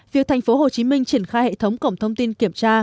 việc thành phố hồ chí minh triển khai hệ thống cổng thông tin kiểm tra